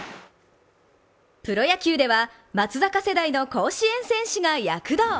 プロ野球では松坂世代の甲子園選手が躍動。